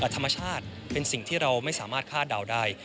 ธรรมชาติเป็นสิ่งที่เราไม่สามารถคาดเดาได้